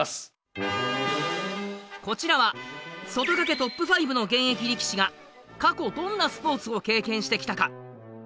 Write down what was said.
こちらは外掛けトップ５の現役力士が過去どんなスポーツを経験してきたか。